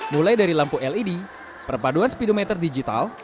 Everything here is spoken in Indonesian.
mulai dari lampu led perpaduan speedometer digital